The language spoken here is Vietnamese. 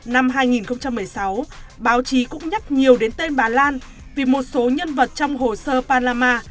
năm hai nghìn một mươi sáu báo chí cũng nhắc nhiều đến tên bà lan vì một số nhân vật trong hồ sơ palama